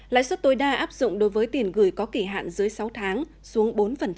lãi suất tối đa áp dụng đối với tiền gửi có kỳ hạn dưới sáu tháng xuống bốn